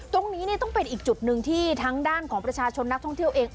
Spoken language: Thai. ตรงนี้ต้องเป็นอีกจุดหนึ่งที่ทั้งด้านของประชาชนนักท่องเที่ยวเอง